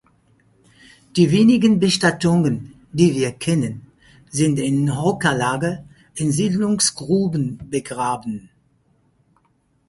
Die wenigen Bestattungen, die wir kennen, sind in Hocker-Lage in Siedlungsgruben begraben.